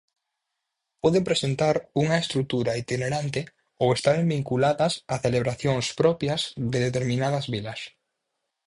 Poden presentar unha estrutura itinerante ou estaren vinculadas a celebracións propias de determinadas vilas.